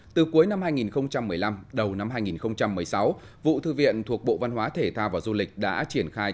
từ cuối năm hai nghìn một mươi năm đầu năm hai nghìn một mươi sáu vụ thư viện thuộc bộ văn hóa thể thao và du lịch đã triển khai